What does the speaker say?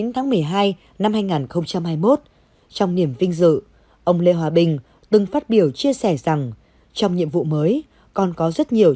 trong niềm vinh dự ông lê hòa bình từng phát biểu chia sẻ rằng trong nhiệm vụ mới còn có rất nhiều